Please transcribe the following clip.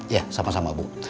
ya sama sama bu